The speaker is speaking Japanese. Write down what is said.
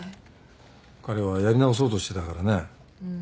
彼はやり直そうとしてたからね。うん。